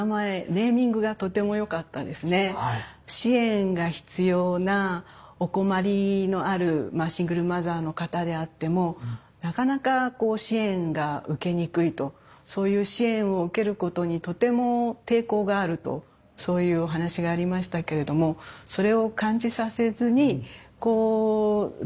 支援が必要なお困りのあるシングルマザーの方であってもなかなかこう支援が受けにくいとそういう支援を受けることにとても抵抗があるとそういうお話がありましたけれどもそれを感じさせずにこうどうぞと。